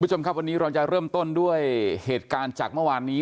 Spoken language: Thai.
คุณผู้ชมครับวันนี้เราจะเริ่มต้นด้วยเหตุการณ์จากเมื่อวานนี้